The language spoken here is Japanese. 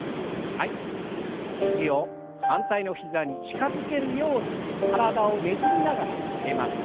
肘を反対の膝に近づけるように体をねじりながら曲げます。